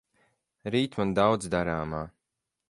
Rīt man daudz darāmā.